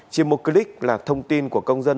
chỉ một click là thông tin của công dân